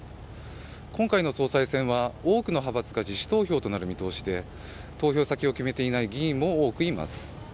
今回の総裁選は、多くの派閥が自主投票となる見通しで投票先を決めていない議員も多くいます。